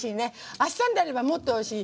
あしたになると、もっとおいしい。